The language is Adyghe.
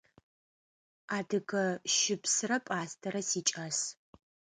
Адыгэ щыпсрэ пӏастэрэ сикӏас.